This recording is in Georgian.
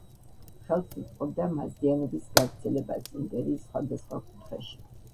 ხელს უწყობდა მაზდეანობის გავრცელებას იმპერიის სხვადასხვა კუთხეში.